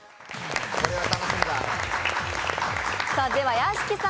屋敷さん